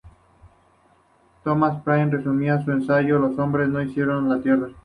Thomas Paine resumía su ensayo: ""Los hombres no hicieron la Tierra.